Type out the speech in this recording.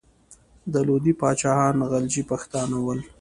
د لودي پاچاهان غلجي پښتانه ول.